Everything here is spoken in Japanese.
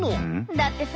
だってさ。